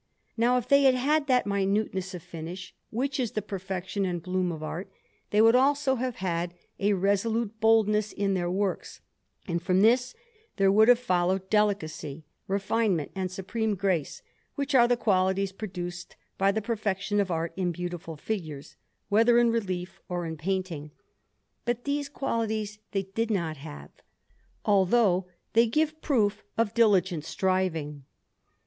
Now if they had had that minuteness of finish which is the perfection and bloom of art, they would also have had a resolute boldness in their works; and from this there would have followed delicacy, refinement, and supreme grace, which are the qualities produced by the perfection of art in beautiful figures, whether in relief or in painting; but these qualities they did not have, although they give proof of diligent striving.